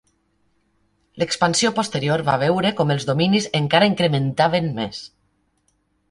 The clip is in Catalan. L'expansió posterior va veure com els dominis encara incrementaven més.